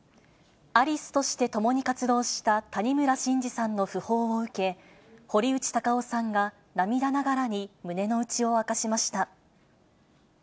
アリスとして共に活動した谷村新司さんの訃報を受け、堀内孝雄さんが涙ながらに胸の内を明かしました。